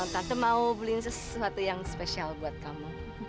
custo mau beliin sesuatu yang spesial buat kamu